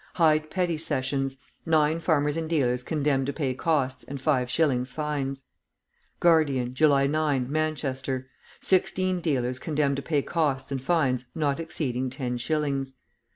Hyde Petty Sessions. Nine farmers and dealers condemned to pay costs and five shillings fines. Guardian, July 9, Manchester Sixteen dealers condemned to pay costs and fines not exceeding ten shillings.